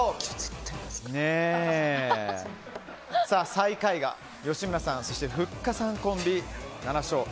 最下位が吉村さん、ふっかさんコンビ７勝。